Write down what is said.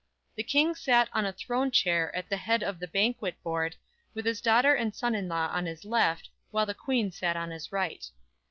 The King sat on a throne chair at the head of the banquet board, with his daughter and son in law on his left, while the Queen sat on his right.